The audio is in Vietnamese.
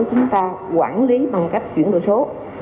chúng ta quản lý bằng cách chuyển đổi số